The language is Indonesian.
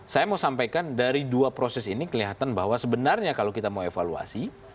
saya mau sampaikan dari dua proses ini kelihatan bahwa sebenarnya kalau kita mau evaluasi